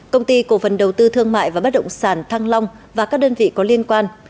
công ty cổ phần đầu tư thương mại và bất động sản thăng long và các đơn vị có liên quan